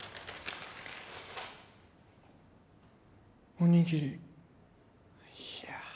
おにぎりいや